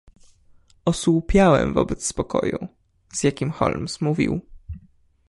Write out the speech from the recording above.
"Osłupiałem wobec spokoju, z jakim Holmes mówił."